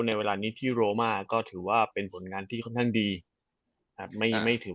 ในเวลานี้ที่โรมาก็ถือว่าเป็นผลงานที่ค่อนดีไม่ถือ